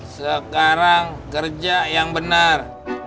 sekarang kerja yang benar